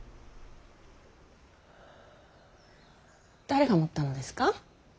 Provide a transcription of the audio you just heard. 誰が盛ったのですか。